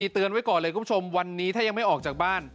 เตือนไว้ก่อนเลยคุณผู้ชมวันนี้ถ้ายังไม่ออกจากบ้าน